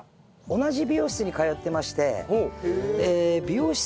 同じ美容室に通ってまして。